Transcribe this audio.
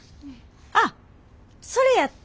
あっそれやったら。